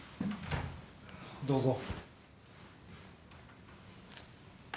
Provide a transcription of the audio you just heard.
どうぞ。